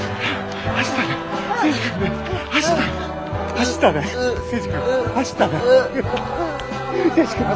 走ったな。